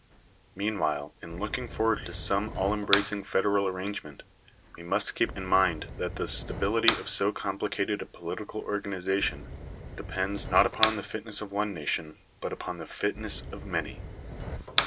Meanwhile, in looking forward to some all embracing federal arrangement, we must keep in mind that the stability of so complicated a political organization depends, not upon the fitness of one nation but upon the fitness of many.